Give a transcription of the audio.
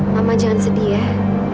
mama jangan sedih